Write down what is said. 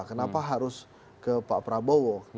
kenapa harus ke pak prabowo